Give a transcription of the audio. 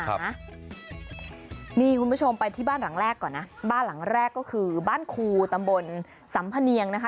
นี่คุณผู้ชมไปที่บ้านหลังแรกก่อนนะบ้านหลังแรกก็คือบ้านครูตำบลสัมพเนียงนะคะ